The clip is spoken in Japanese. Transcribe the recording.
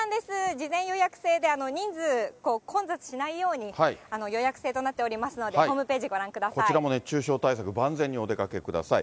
事前予約制で、人数、混雑しないように、予約制となっておりますので、こちらも熱中症対策万全にお出かけください。